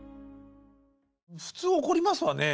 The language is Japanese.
普通怒りますわね。